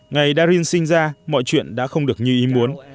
ngày darin sinh ra mọi chuyện đã không được như ý muốn